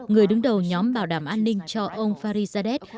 người đứng đầu nhóm bảo đảm an ninh cho ông farizadeh